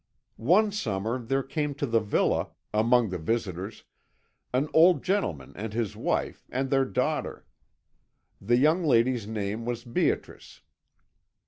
"One summer there came to the villa, among the visitors, an old gentleman and his wife, and their daughter. The young lady's name was Beatrice.